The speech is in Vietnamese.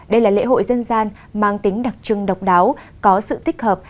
đây là lễ hội dân gian mang tính đặc trưng độc đáo có sự tích hợp